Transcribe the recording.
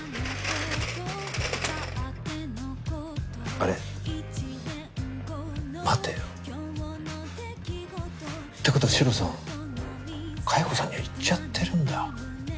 あれ待てよ。ってことはシロさん佳代子さんには言っちゃってるんだ。